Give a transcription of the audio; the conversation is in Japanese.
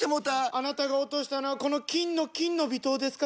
あなたが落としたのはこの金の「金の微糖」ですか？